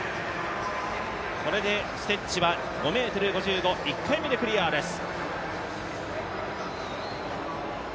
これでステッチは５ｍ５５、１回目でクリアです。